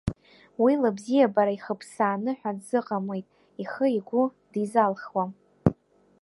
Уи лыбзиабара ихыԥсааны ҳәа дзыҟамлеит, ихы, игәы дизалхуам.